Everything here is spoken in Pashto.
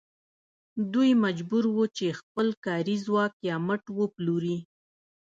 دوی مجبور وو چې خپل کاري ځواک یا مټ وپلوري